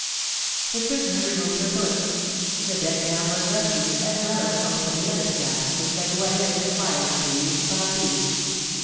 The prisoner removed her foot. The bed gown was rescued, as well as most of the other scraps, which La Goualeuse acquired piece by piece.